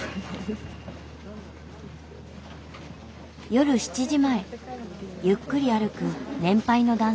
夜７時前ゆっくり歩く年配の男性がいる。